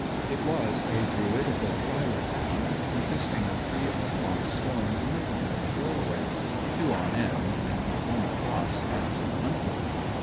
It was a Druidical trilithon, consisting of three oblong stones in the form of a doorway, two on end, and one across as a lintel.